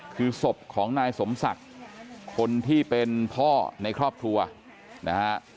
คือศพของนายสมศักดิ์คนที่เป็นพ่อในครอบครัวนะฮะ